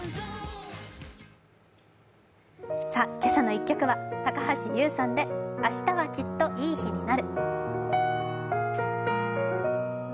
「けさの１曲」は高橋優さんで「明日はきっといい日になる」。